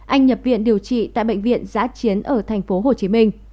anh nhập viện điều trị tại bệnh viện giá chiến ở tp hcm